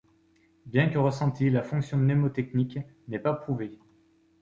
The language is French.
Bien que ressentie, la fonction mnémotechnique n'est pas prouvée.